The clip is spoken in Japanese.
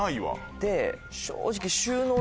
で正直。